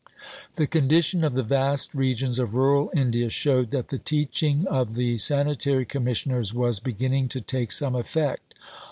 The condition of the vast regions of rural India showed that the teaching of the Sanitary Commissioners was beginning to take some effect.